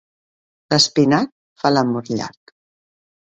L'espinac fa l'amor llarg.